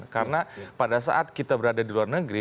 karena pada saat kita berada di luar negeri